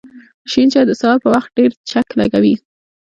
شین چای د سهار په وخت ډېر چک لږوی